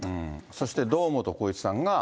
そして、堂本光一さんが。